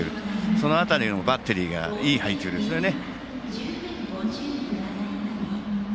その辺りのバッテリーのいい配球ですね。